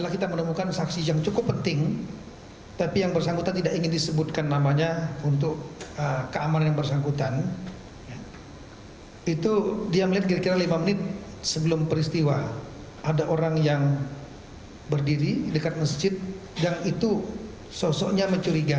kita bekerjasama dengan rekan rekan dari afp ke polisian australia